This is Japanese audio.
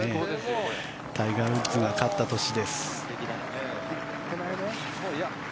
タイガー・ウッズが勝った年です。